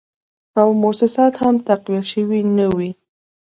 او موسسات هم تقویه شوي نه وې